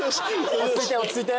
落ち着いて落ち着いて。